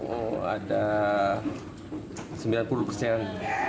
oh ada sembilan puluh persen